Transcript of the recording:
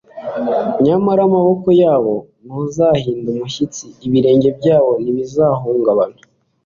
nyamara amaboko yabo ntazahinda umushyitsi, ibirenge byabo ntibizahungabana